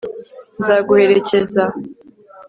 nzaguherekeza